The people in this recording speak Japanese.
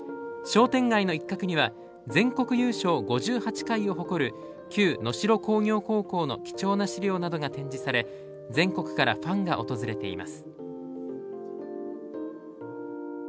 商店街の一角には全国優勝５８回を誇る旧能城工業高校の貴重な資料などが展示され全国からファンが訪れています。